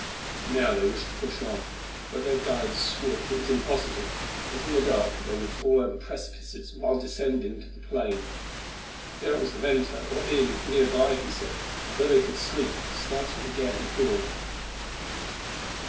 Now they wished to push on, but their guide swore that it was impossible, as in the dark they would fall over precipices while descending to the plain. There was a venta or inn near by, he said, where they could sleep, starting again at dawn.